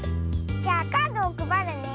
じゃあカードをくばるね。